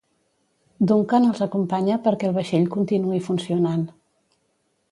Duncan els acompanya perquè el vaixell continuï funcionant.